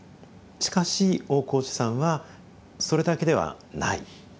しかし大河内さんはそれだけではない。